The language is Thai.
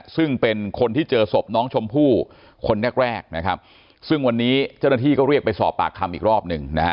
ซึ่งเป็นคนที่เจอศพน้องชมพู่คนแรกแรกนะครับซึ่งวันนี้เจ้าหน้าที่ก็เรียกไปสอบปากคำอีกรอบหนึ่งนะฮะ